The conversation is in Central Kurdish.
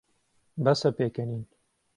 بەسە پێکەنین.